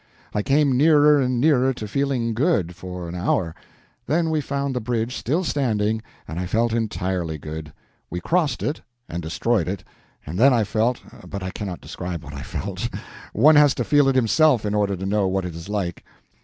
I came nearer and nearer to feeling good, for an hour; then we found the bridge still standing, and I felt entirely good. We crossed it and destroyed it, and then I felt—but I cannot describe what I felt. One has to feel it himself in order to know what it is like.